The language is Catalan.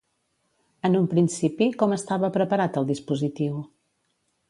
En un principi, com estava preparat el dispositiu?